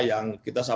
yang kita selalu